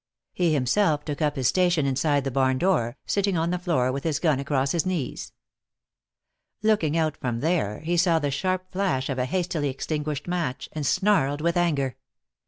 He himself took up his station inside the barn door, sitting on the floor with his gun across his knees. Looking out from there, he saw the sharp flash of a hastily extinguished match, and snarled with anger.